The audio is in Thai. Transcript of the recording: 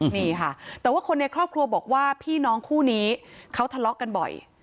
นี่ค่ะแต่ว่าคนในครอบครัวบอกว่าพี่น้องคู่นี้เขาทะเลาะกันบ่อย